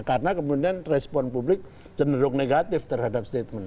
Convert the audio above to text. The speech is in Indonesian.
karena kemungkinan respon publik cenderung negatif terhadap statement